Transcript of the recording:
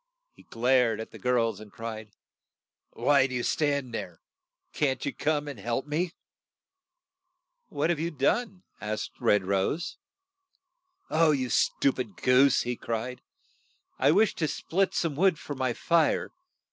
He glared at the girls, and cried, "Why do you stand there? Can't you come and help me?" What have you done ?'' asked Red Rose. 'You stu pid goose!" he cried. "I wished to split some wood for my fire.